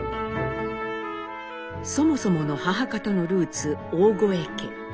そもそもの母方のルーツ大峠家。